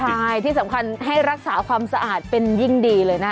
ใช่ที่สำคัญให้รักษาความสะอาดเป็นยิ่งดีเลยนะ